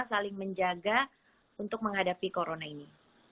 saling menjaga untuk menghadapi corona ini